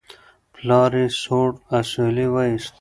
پلار یې سوړ اسویلی وایست.